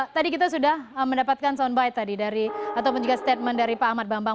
tadi kita sudah mendapatkan soundbite tadi dari ataupun juga statement dari pak ahmad bambang